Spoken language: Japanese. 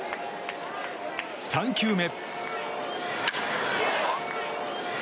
３球目。